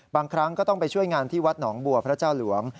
บางครั้งก็ต้องไปช่วยงานที่วัดหนองบัวพระเจ้าหลวง